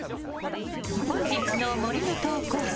本日の森の投稿者